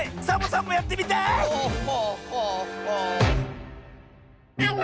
サボさんもやってみたい！